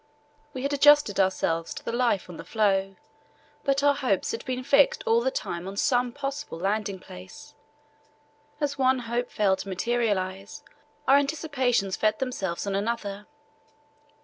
We had adjusted ourselves to the life on the floe, but our hopes had been fixed all the time on some possible landing place. As one hope failed to materialize, our anticipations fed themselves on another.